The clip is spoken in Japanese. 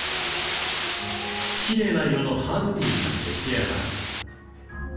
きれいな色のハーブティーが出来上がり。